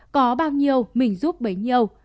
có bao nhiêu mình rút bấy nhiêu